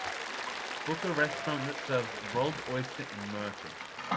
book a restaurant that serves rolled oyster in Merkel